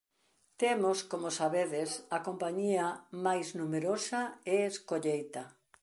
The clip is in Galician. Temos, como sabedes, a compañía máis numerosa e escolleita.